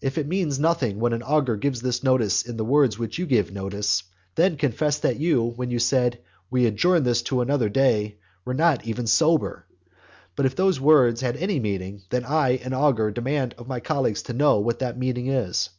If it means nothing when an augur gives this notice in those words in which you gave notice, then confess that you, when you said, "We adjourn this to another day," were not sober. But if those words have any meaning, then I, an augur, demand of my colleague to know what that meaning is.